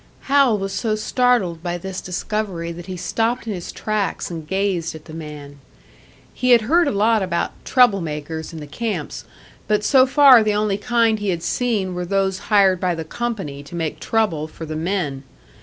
Hal was so startled by this discovery that he stopped in his tracks and gazed at the man. He had heard a lot about "trouble makers" in the camps, but so far the only kind he had seen were those hired by the company to make trouble for the men.